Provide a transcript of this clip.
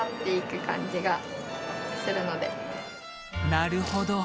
なるほど。